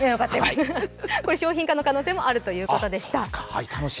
商品化の可能性もあるということでした。